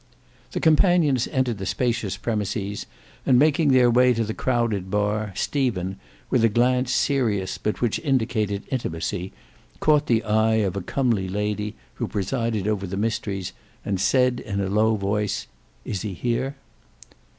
The companions entered the spacious premises; and making their way to the crowded bar, Stephen, with a glance serious but which indicated intimacy, caught the eye of a comely lady, who presided over the mysteries, and said in a low voice, "Is he here?"